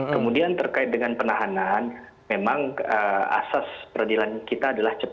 kemudian terkait dengan penahanan memang asas peradilan kita adalah cepat